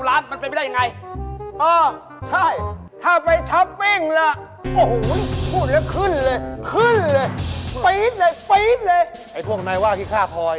ไอ้พวกนายว่างพี่ข้าพอย